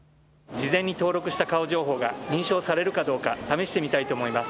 事前に登録した顔情報が認証されるかどうか、試してみたいと思います。